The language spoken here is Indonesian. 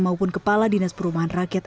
maupun kepala dinas perumahan rakyat